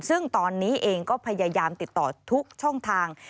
ซึ่งตอนนี้เองก็พยายามติดต่อทุกช่องทาง